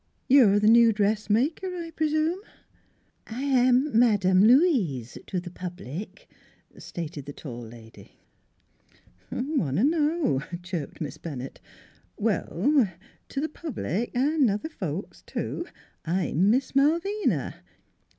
You're th' new dressmaker, I p'rsume? "" I am Madame Louise to the public," stated the tall lady. "I want t' know!" chirped Miss Bennett. " Well, t' th' public, an' other folks too, I'm Miss Malvina.